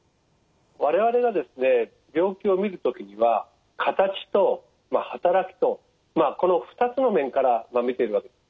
我々がですね病気をみる時には形とはたらきとこの２つの面からみてるわけです。